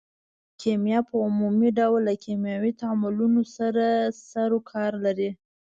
کیمیا په عمومي ډول له کیمیاوي تعاملونو سره سرو کار لري.